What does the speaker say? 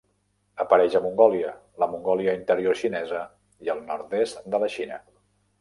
Apareix a Mongòlia, la Mongòlia Interior xinesa i el nord-est de la Xina.